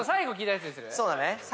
そうだね。